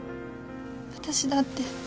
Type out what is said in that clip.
私だって。